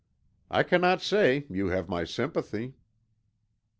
I cannot say you have my sympathy."